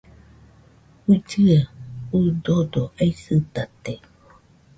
uillɨe, udodo aisɨtate